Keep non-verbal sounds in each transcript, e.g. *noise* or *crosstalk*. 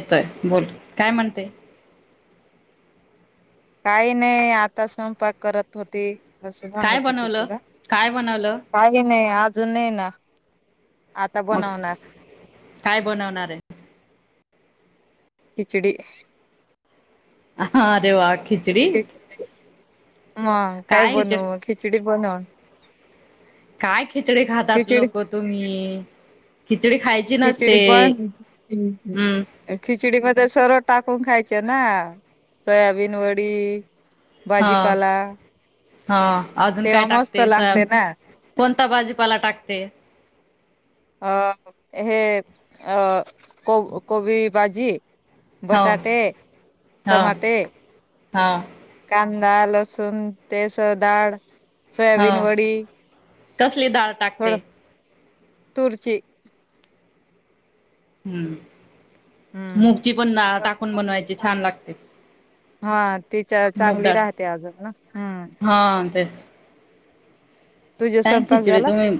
होेतोय पुढे काय म्हणतोय काही नाहीय आता स्वयंपाक करत होती असं काय सांगत होती बनवलं तिला काय बनवलं काही नाही अजून नाही ना आता हट् बनवणार काय बनवणार आहे खिचडीई हा रे वा खिचडीई मग ग काय बनवं खिचडी बनवं काय खिचडी खातात खिचडी लोक तुम्ही खिचडी खायची नसते खिचडी पण हम्म खिचडी ब ते सरळ टाकून खायचे ना सोयाबीन वडी हा भाजीपाला हा अजून तेव्हा काय मस्त टाकते सब लागते ना कोणता बाजीपाला टाकते अ अ हे अ अ को कोबी भाजी हो बटाटे हो टमाटे हो का मग दाल लसुन ते सगळ डाळ सोयाबीन वडी ती डाळ टाकते तुर्चीजी हम्म हम्म मूगची पणडाळ टाकून बनवायची थोडं छान लागते. हा तीच्या मूग चांगली डाळ राहते अजून ना हम् हा तेच काय खिचडी झाला तुम्ही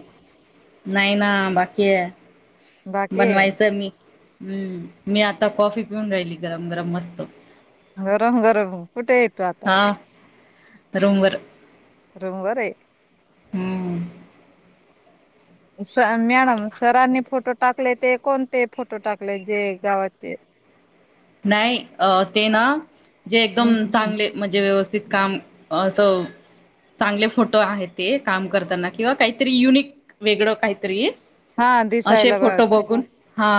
नाही ना बाकी आहे. बाकी आहे. बनवायचं मी हम्म मी आता कॉफी पिऊन राहिली गरम गरम मस्त. गरम गरम कुठे हाय तु आता हा रूमवर रूमवर आहे. हम् स मॅडम सरांनी फोटो टाकले ते कोणते फोटो टाकले जे गावाचे नाही अ ते ना जे एकदम हं. चांगले म्हणजे व्यवस्थ ते काम असं चांगले फोटो आहेत ते काम करताना किंवा काहीतरी युनिक वेगळं काहीतरी हा असे दिसायला बा फोटो बघून हा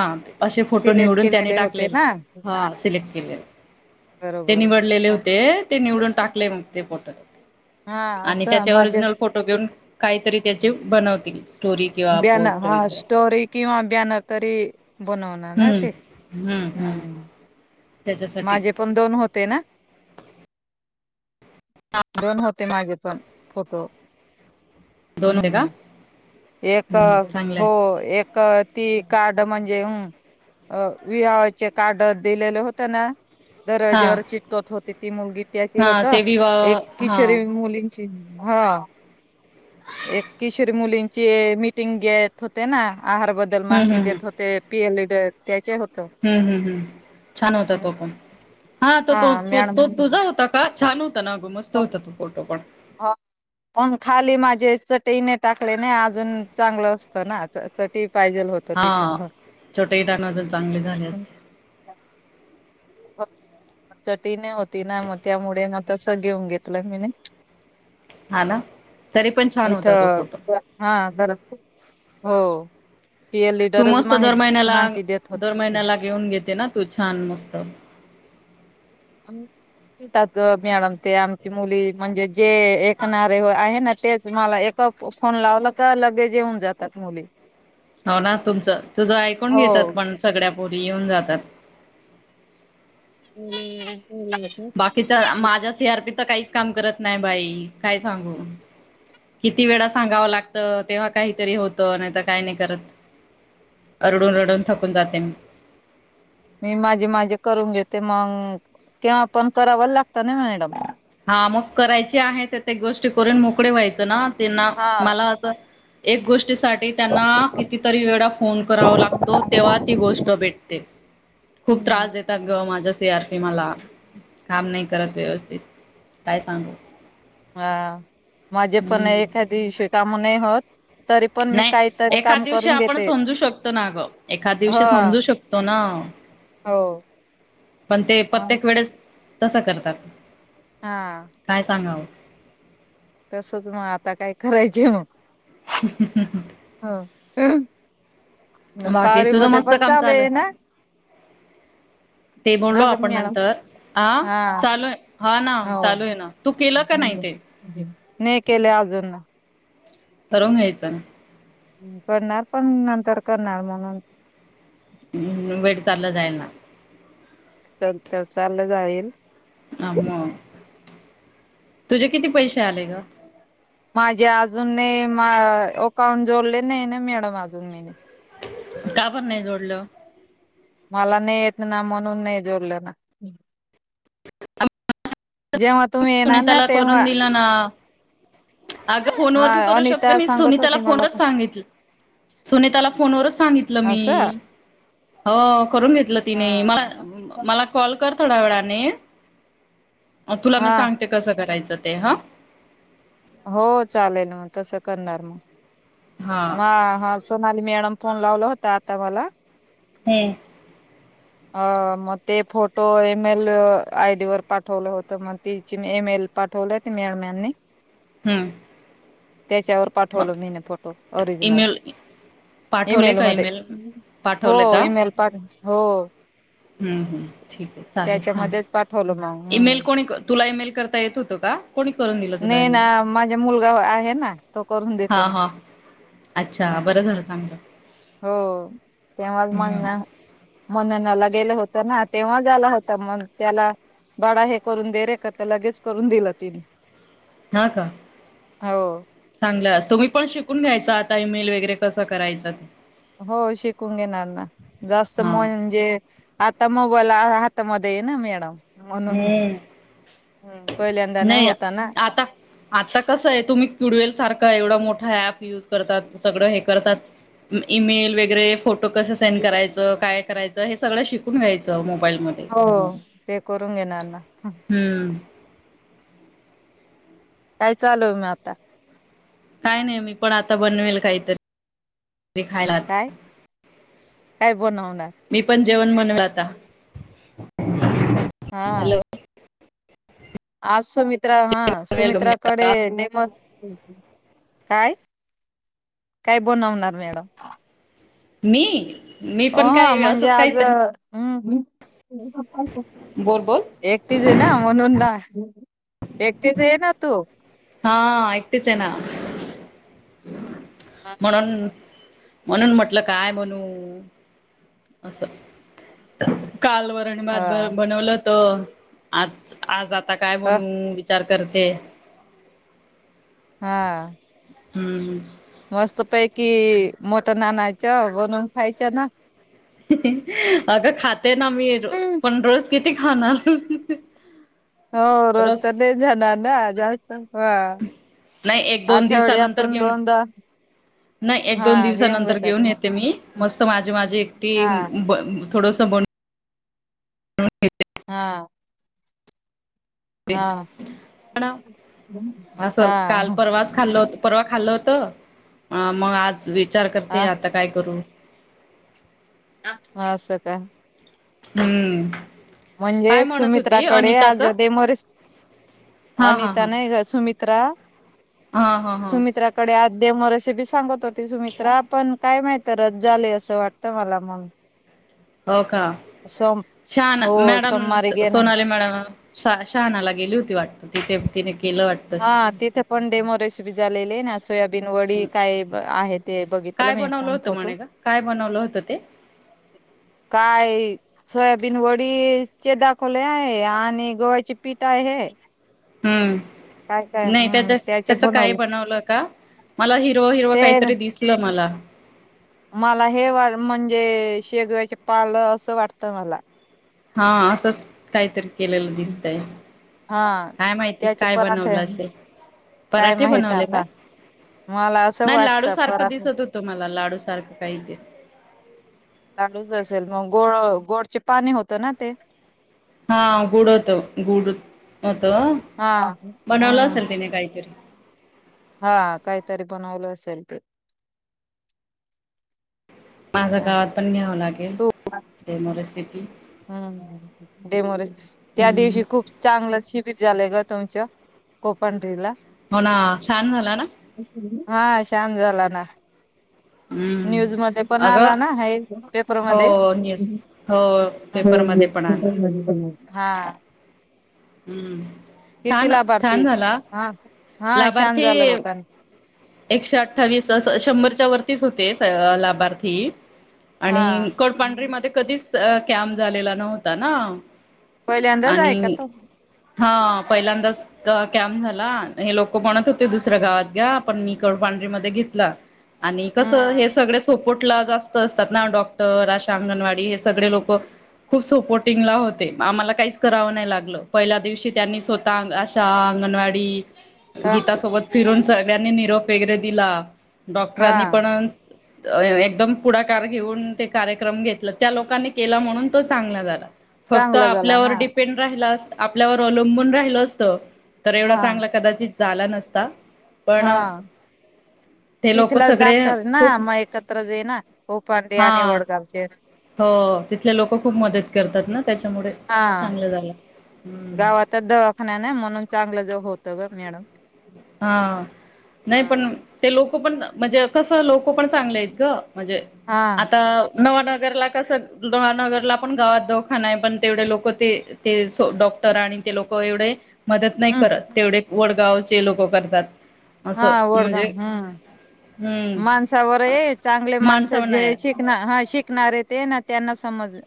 असे फोटो सिलेक्ट निवडून त्याने केलेले होते टाकलेले ना हा सिलेक्ट केले ते बरोबर निवडलेले होते ते निवडून टाकले मग ते फोटो हा आणि असं त्याचे माझे ओरिजनल फोटो घेऊन काहीतरी त्याचे बनवतील स्टोरी किंवा बॅनर पोस्ट हा वगैरे असं. स्टोरी किंवा बॅनर तरी बनवणार ना हम्म ते हम्म हम्म. त्याच्यासाठी माझे पण दोन होते ना. हा, दोन होते माझे पण फोटो. दोन होते का? हम्म एक हम्म हो चांगलंय एक ती कार्ड म्हणजे ह विवाहाचे कार्ड दिलेले होते ना हा दरवाज्यावर चिटकवत होती ती मुलगी त्याचे हा होत ते एक विवाह हा किशोरवइ ण मुलींची हा एक किशोरी मुलींची मीटिंग घेत होते ना आहारबद्दल हम्म माहिती देत होते पी एल इ हम् हम् हम् छान होता तो पण हा तो तो तो तुझा होता का छान होता ना ग मस्त होता तो फोटो पण पण खाली माझे चटई नाही, टाकले नाही अजून चांगलं असतं ना चटई पाहिजेल होत हा तिथं ह छोटे टाण अजून चांगले झाले असते चटई नाही होती ना मग त्यामुळे ना तस घेऊन घेतलं मीने हा ना तरी पण छान इथ होता तो फोटो हा घरात हो. पीएल तू लिडरच मस्त दर माहित महिन्याला माहिती देत दर होती. महिन्याला घेऊन घेते ना तू छान मस्त. मॅडम ते आमची मुली म्हणजे जे ऐकणारे आहे ना. तेच मला एका फोन लावला का लगेच येऊन जातात मुली. हो ना तुमचं तुझं ऐकून घेतात हो. पण सगळ्या पोरी येऊन जातात. *inaudible* बाकीच्या माझ्या सी आर पीच काहीच काम करत नाही बाई काय सांगू किती वेळा सांगाव लागत तेव्हा काहीतरी होतं नाही तर काय नाही करत. रडून-रडून थकून जाते मी मी माझे-माझे करून घेते मग तेव्हा पण कराव लागतं ना मॅडम. हा म करायची आहे ते ते गोष्टी करून मोकळे व्हायचं ना त्यांना हा. मला असं त्या साठी त्यांना कितीतरी वेळा फोन करावा लागतो, तेव्हा ती गोष्ट भेटते. खूप हम्म. त्रास देतात ग माझ्या सी आर पी मला काम नाही करत व्यवस्थित काय सांगू. हा माझे पण हम्म. एखाद दीवशी काम नाही होत. तरी पण मी नाही काहीतरी एखाद काम दिवशी करून आपण घेते समजू शकतो ना ग एखाद ह दिवशी समजू शकतो ना. हो. पण ते हा प्रत्येक वेळेस. तसं करतात काय सांगावं. तसच मग आता काय करायचे मग ह् हम् हम् हम हम्. न बाकी पावरी तुझं मध्ये मस्त पण काम चालू झालंय आहे ना ते बोललो ना ग आपण मॅडम नंतर आ हा चालू आहे हा ना चालू आहे ना तू केलं का नाही. ते नाई केले अजून. ठरवून घ्यायचं ना. करणार पण नंतर करणार म्हणून. ह वेट चाललं जाईल ना. च तर चाललं जाईल. अ मग तुझे किती पैसे आले ग माझे अजून नाही अकाउंट जोडले नाही ना मॅडम अजून मी का पण नाही जोडलं मला नाही येत ना म्हणून नाही जोडल ना जेव्हा तुम्ही येणार ना सुनीताला तेव्हा करून दिलं ना अगं फोनवर हा पण करू शकतो अनिता मी सांगत सुनीताला होती मला फोनवरच पण सांगितलं सुनीताला फोनवरच सांगितलं मी असं हो करून घेतलं तिने मला हा मला कॉल कर थोड्या वेळाने तुला मग मी हा सांगते कसं करायचं ते ह हो चालेल मग तसं करणार मग हा म हा सोनाली मॅडम फोन लावला होता आता मला हम्म अ मग ते फोटो इमेल आयडी वर पाठवलं होत मग ति मीमे मेल पाठवलय ते मॅडमानी हम त्याच्यावर पाठवलं मी न फोटो ओरिजनल ईमेल पाठवले ईमेल का मध्ये हो पाठवले का ईमेलपाठवला हो हम्म हम् ठीक आहे चालेल छान त्याच्यामध्येच पाठवलं मग ईमेल हम्म कोणी तुला ईमेल करता येत होत होत का कोणी करून दिलं तुला नाही ना ईमेल माझा मुलगा आहे ना तो करून हा देतो ना हा अच्छा हम्म बरं झालं चांगलं हो तेव्हा हम्म म मनाना लक्ष गेलं होत ना तेव्हा झालं होता मग त्याला बाळा हे करून दे रे का तर लगेच करून दिलं तिन हा का हो चांगलं तुम्ही पण शिकून घ्यायच ईमेल वगैरे कसं करायचंत हो शिकून घेणार ना जास्त हा म्हणजे आता मोबाईल हातामध्ये आहे ना मॅडम म्हणून हम्म पहिल्यांदा न नाही होता ना आता आता कसं आहे तुम्ही किडवेल सारखं एवढं मोठा ऍप युज करतात सगळं हे करतात ईमेल वगैरे फोटो कसं सेंड करायचं काय करायचं हे सगळं शिकून घ्यायचं मग हो ते करून घेणार ना हम्म काय चालू आहे मग आता काय नाही मी पण आता बनवेल काहीतरी खायला आता काय काय बनवणार मी पण जेवण बनवेल आता हा हॅलो आज सुमित्रा हा वेलकम सुमित्रा कडे नेमत काय काय बनवणार मॅडम मी मी अ पण ह काय म्हणजे असंच काही आज हम् बोल बोल एकटीच आहे ना म्हणून ना एकटीच ये ना तू हा एकऐटच आहे ना म्हणून म्हणून म्हटल काय म्हणू अस काल वरणभात हा बनवलं तर आज आज आता काय अ बनू विच विचार करते हा हम्म हम् मस्त पैकी मटन आणायचं बनवून खायचं ना अगं खाते ना मी पण रोज किती खाणार हो र त रोज न जनाना जास्त ह नाही एक दोन दिवसानंतर आठवड्यातून घेऊन दोनदा नाही एक हा दोन गेम दिवसानंतर घेतात घेऊन मग येते मी मस्त माझे माझे एकटी हा थोडस बन हा हा हा पण असं काल हा परवाच खाल्ल होत परवा खाल्लं होतं मग आज विचार करते ह आता काय करू हा अस का हम्म काय म्हणजे म्हणत होती सुमित्राकडे आज अनिताचं देमरेस हा हा अनिता हा नाही ग सुमित्र त्र हा हा हा देमो रेसिपी सांगत होती सुमित्रा पण काय माहित रच झाले असं वाटतं मला मग ह हो का श हो मॅडम सोमवारी घेण सोनाली मॅडम शहानाला गेली होती वाटत तिथ तिने केलं वाटत हा तिथे पण डेमोरेस बी झालेले आहे ना सोयाबीन वडी काय आहे ते बघितलं काय मी बनवलं पण होतं फोटो म्हणे का काय बनवलं होतं ते काय सोयाबीन वडी चे दाखवले आहे आणि गोव्याचे पीठ आहे काय काय हम्म नाही हम्म त्याच्या त्याचे त्याच काही बनवलं का मला हिरो हिरो ते काहीतरी दिसलं मला मला हे वा म्हणजे शेगव्याचे पाल असं वाटत मला हा असंच काहीतरी केलेलं दिसतय हा काय माहिती त्याचे काय पराठे बनवलं असे काय पराठे माहित बनवले का आता मला असं नाही लाडू वाटतं सारखं परात दिसत होतो मला लाडू सारखं काही ते काळूच असेल मग गोळ गोडचे पाणी होतं ना ते हा गुड होतो गुड होत हा बनवलं हम्म असेल तिने काहीतरी हा काहीतरी बनवलं असेल ते माझं हा, गावात पण घ्यावं लागेल तू तेेसि हम्म डेमोरेश त्या हम्म दिवशी खूप चांगलं श बिरजलेग तुमच कोोपन ला हो ना छान झाला ना हां शांत झाला ना. न्यूज हम्म मध्ये पण अगं आला नां हाय पेपरमध्ये- हो न्यूज हो होय- होय पेपरमध्ये पण आला पेपर मध्ये पण हाय हां हुं छान -छान लाभार्थी झाला हं हा हा छान झालं लाभार्थी- होता एकशे अठ्ठावीस अस शंभरच्या वर- तीच होते सगळे लाभार्थी हा आणि कडपांढरी मध्ये कधीच- तर कॅम्प झालेला नव्हता नां. पहिल्यांदाच आहे का तो? हां पहिल्यांदाच अं कॅम्प झाला हे लोकं म्हणत होते दुसऱ्या गावात घ्या पण मी कड- पाढंरी मध्ये घेतला आणि कसं हम्म हे सगळे सपोर्ट- ला जास्त असतात नां डॉक्टर आशा, अंगणवाडी हें सगळे लोक. खूप सपोर्टिंगला होते, आ आम्हाला काहीच करावं नाही लागलं. पहिल्या दिवशी त्यांनी स्वतः अगं, आशा अंगणवाडी हा गीतासोबत- फिरून सगळ्यांनी निरोप वेगैरे दिला. डॉक्टरांनी हा पणं अं यं एकदम पुढाकार घेऊन ते कार्यक्रम घेतलं त्या लोकांनी केला म्हणून तो चांगला झाला. फक्त चांगला झाला ना आपल्यावर डिपेंड राहिला असं आपल्यावर अवलंबून राहिल असत तर एवढा चांगला कदाचित झाला नसता. पण हां. ते लोक तिथलाच सगळे डाक्टर नां खूप मग एकत्र जयेना वोपार्डे आणि वडगावचे. हों तिथले लोक खूप मदत करतात नां त्याच्यामुळे हा चांगलं झालं. हम्म गावातच दवाखाना नाय म्हणून चांगलं जव होतं ग मॅडम. हां, नाही पण हा तें लोक हो पण म्हणजे कसं लोक पण चांगले आहेत गं म्हणजे आता नवानगरला कसं नवानगरला पण गावात धोखाना हाय पण तेवढे लोक ते ते सो डॉ क्टर आणि ते लोक एवढे मदत नाही हम् करत तेवढे वडगावचे लोक करतात. हा असं वडगाव म्हणजे हम्म हम्म माणसावर यहे चांगले माणस माणसावर जे नाही शिकणा हां शिकणारे ते ना त्यांना समजलं.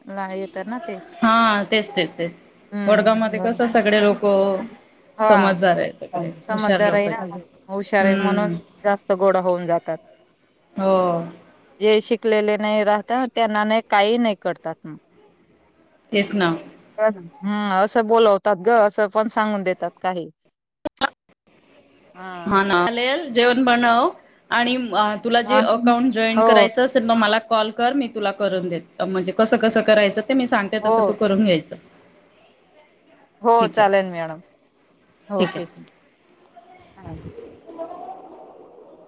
हां, तेचं तेचं तेचं. वडगाव हम्म मध्ये बर कस सगळे लोक हा समजदार आहे सगळे हुशार समजदार आहे लोकहायत. ना हुशार आहे म्हणून जास्त गोड होऊन जा तात हो जे शिकलेले नाही राहतअं त्यांना नाही काही नाही करतात मग. तेच ना. हां असं बोलवतात गं असं पण सांगून देतात काही. हा. हां ना चालेल जेवण बनव आणि अं तुला हा जे अकाउंट जॉईन हो करायचं असेल म मला कॉल कर मी तुला करून देत म्हणजे कसं कसं करायचं ते मी सांगते हो तसं तू करून घ्यायचं. हों ठीक आहे चालेल मॅडम हों ठीक आहे. हं. *inaudible*